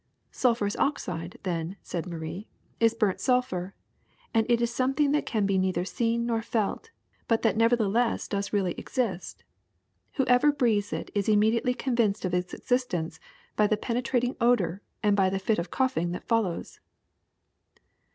'^*^ Sulphurous oxide, then,'' said Marie, *^is burnt sulphur ; and it is something that can be neither seen nor felt, but that nevertheless does really exist. Whoever breathes it is immediately convinced of its existence by the penetrating odor and by the fit of coughing that follows.''